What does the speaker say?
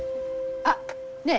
あっねえ